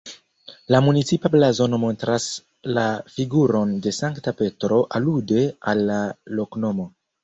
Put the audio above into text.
La municipa blazono montras la figuron de Sankta Petro alude al la loknomo.